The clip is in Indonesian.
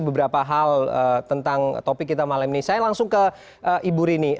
beberapa hal tentang topik kita malam ini saya langsung ke ibu rini